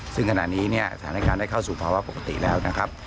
ซึ่งขณะนี้เนี่ยสถานการณ์ได้เข้าสู่ภาวะปกติแล้วนะครับ